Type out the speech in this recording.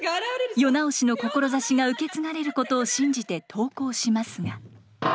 世直しの志が受け継がれることを信じて投降しますが。